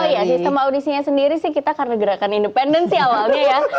oh iya sistem audisinya sendiri sih kita karena gerakan independen sih awalnya ya